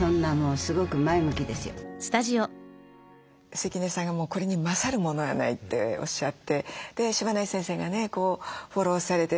関根さんがこれに勝るものはないっておっしゃってで柴内先生がねフォローされて。